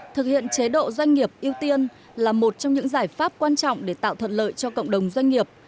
thực hiện chế độ doanh nghiệp ưu tiên là một trong những giải pháp quan trọng để tạo thuận lợi cho cộng đồng doanh nghiệp